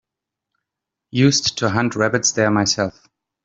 Used to hunt rabbits there myself.